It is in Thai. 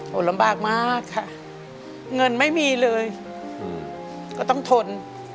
ลำบากมากค่ะเงินไม่มีเลยก็ต้องทน